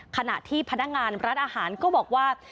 ขณะที่พนักงานร้านอาหารก็บอกว่า